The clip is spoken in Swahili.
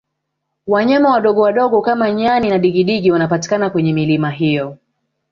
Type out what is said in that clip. wanyama wadogowadogo kama nyani na digidigi wanapatikana kwenye milima hiyo